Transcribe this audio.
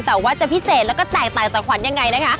แต่ว่าจะพิเศษแล้วก็แตกต่างจากขวัญยังไงนะคะ